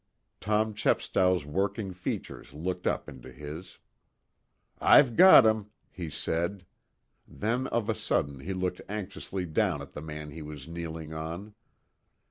Tom Chepstow's working features looked up into his. "I've got him," he said: then of a sudden he looked anxiously down at the man he was kneeling on.